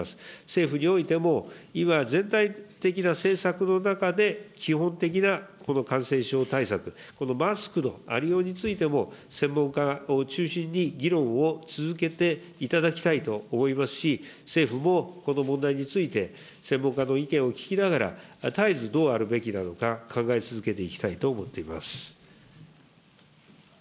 政府においても、今、全体的な政策の中で、基本的なこの感染症対策、このマスクのありようについても、専門家を中心に議論を続けていただきたいと思いますし、政府もこの問題について、専門家の意見を聞きながら、たえずどうあるべきなのか、考え続けていきたいと思っています。